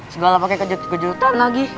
segala pake kejut kejutan lagi